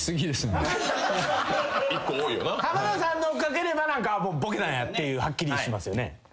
浜田さんのおかげでボケたんやってはっきりしますよね。